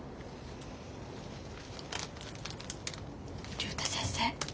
竜太先生